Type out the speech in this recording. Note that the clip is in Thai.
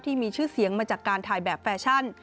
ที่มีชื่อเสียงมาจากการถ่ายแบบแฟชั่น